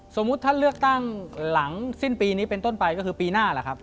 สมมุติท่านเลือกตั้งหลังสิ้นปีนี้เป็นต้นไปก็คือปีหน้าแหละครับ